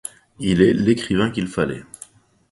Il est l'écrivain qu'il fallait.